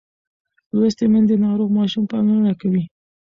لوستې میندې د ناروغ ماشوم پاملرنه کوي.